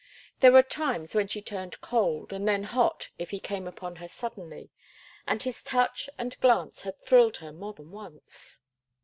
There were times when she turned cold and then hot if he came upon her suddenly, and his touch and glance had thrilled her more than once.